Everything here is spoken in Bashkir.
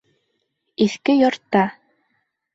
Иҫке йортта.